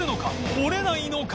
折れないのか？